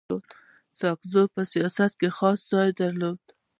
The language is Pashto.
ساکزو په سیاست کي خاص ځای درلود.